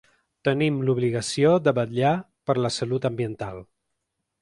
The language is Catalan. Tenim l’obligació de vetllar per la salut ambiental.